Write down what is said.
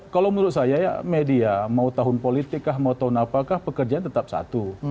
kalau menurut saya ya media mau tahun politik kah mau tahun apakah pekerjaan tetap satu